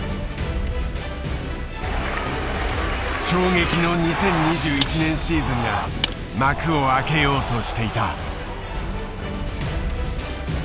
衝撃の２０２１年シーズンが幕を開けようとしていた。